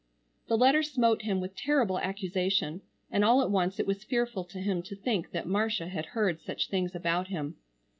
The letter smote him with terrible accusation, and all at once it was fearful to him to think that Marcia had heard such things about him.